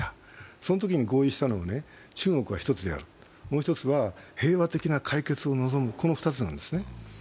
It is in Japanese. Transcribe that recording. そのときに合意したのは、中国は一つである、もう一つは平和的な解決を望む、この２つなんですね。